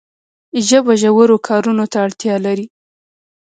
ژبه ژورو کارونو ته اړتیا لري.